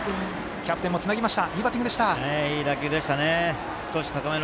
キャプテンもつなぎました。